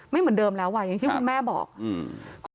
เหมือนเดิมแล้วอ่ะอย่างที่คุณแม่บอกอืม